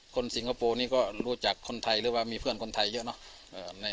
สิงคโปร์นี่ก็รู้จักคนไทยหรือว่ามีเพื่อนคนไทยเยอะเนอะ